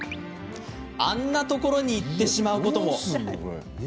あんなところに行ってしまうことも。